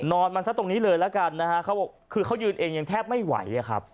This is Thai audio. นอนมันซะตรงนี้เลยแล้วกันนะฮะเขาบอกคือเขายืนเองยังแทบไม่ไหวอะครับ